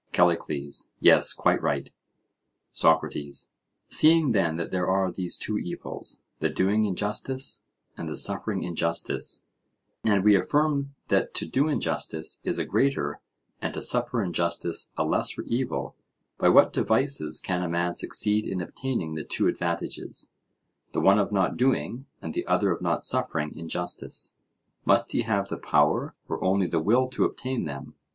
CALLICLES: Yes, quite right. SOCRATES: Seeing then that there are these two evils, the doing injustice and the suffering injustice—and we affirm that to do injustice is a greater, and to suffer injustice a lesser evil—by what devices can a man succeed in obtaining the two advantages, the one of not doing and the other of not suffering injustice? must he have the power, or only the will to obtain them?